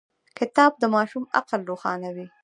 کتابچه د ماشوم عقل روښانوي